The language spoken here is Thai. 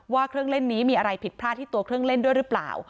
ว่าเครื่องเล่นนี้มีอะไรผิดพลาดที่ตัวเครื่องเล่นด้วยหรือเปล่า